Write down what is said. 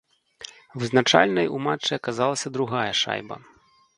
Вызначальнай у матчы аказалася другая шайба.